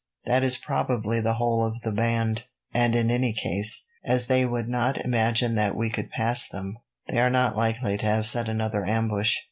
That is probably the whole of the band, and in any case, as they would not imagine that we could pass them, they are not likely to have set another ambush."